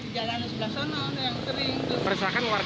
di jalanan di sebelah sana yang sering